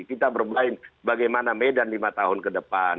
kita bermain bagaimana medan lima tahun ke depan